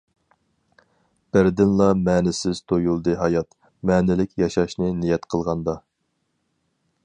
بىردىنلا مەنىسىز تۇيۇلدى ھايات، مەنىلىك ياشاشنى نىيەت قىلغاندا.